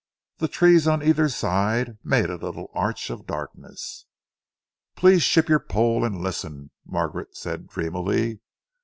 The trees on either side made a little arch of darkness. "Please ship your pole and listen," Margaret said dreamily.